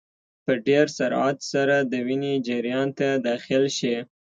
په ډېر سرعت سره د وینې جریان ته داخل شي.